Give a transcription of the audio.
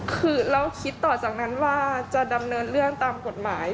คือเราคิดต่อจากนั้นว่าจะดำเนินเรื่องตามกฎหมาย